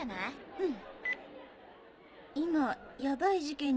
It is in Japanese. うん。